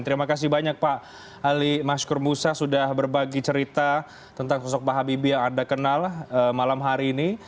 terima kasih banyak pak ali maskur musa sudah berbagi cerita tentang sosok pak habibie yang anda kenal malam hari ini